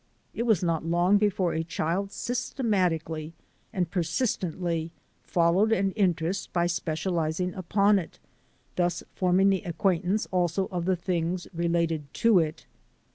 It was not long before a child system atically and persistently followed an interest by specializing upon it, thus forming the acquaintance also of the things related to it.